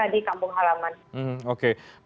di kampung halaman